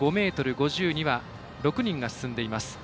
５ｍ５０には６人が進んでいます。